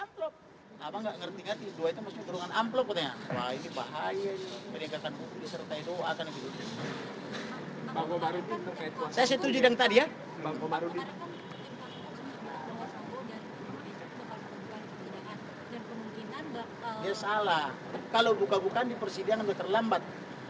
bagaimana menurut anda kalau buka bukaan di persidangan akan terlambat